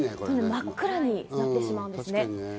真っ暗になってしまうんですね。